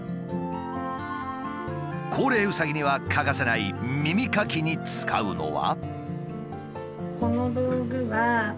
高齢うさぎには欠かせない耳かきに使うのは。